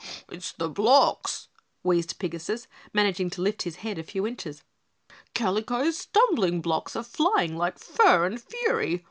"It's the blocks," wheezed Pigasus, managing to lift his head a few inches. "Kalico's stumbling blocks are flying like fur and fury.